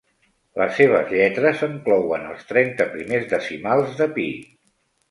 Les seves lletres enclouen els trenta primers decimals de pi.